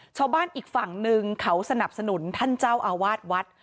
ชาวบ้านอีกฝั่งหนึ่งเขาสนับสนุนท่านเจ้าอาวาสวัด